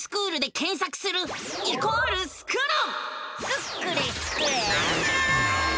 スクれスクれスクるるる！